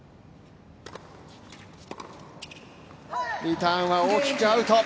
リターンは大きくアウト。